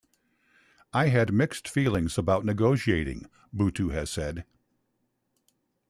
"I had mixed feelings about negotiating," Buttu has said.